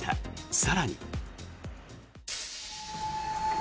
更に。